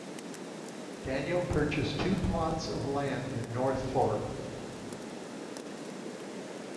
Daniel purchased two plots of land in North Fork.